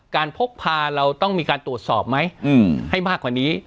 การพบภาเราต้องมีการตรวจสอบมั้ยให้มากกว่านี้